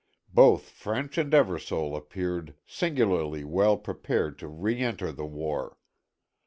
Both French and Eversole appeared singularly well prepared to re enter the war.